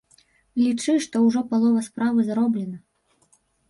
Лічы, што ўжо палова справы зроблена.